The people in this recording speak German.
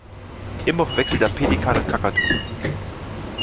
Immer verwechselt er Pelikan und Kakadu.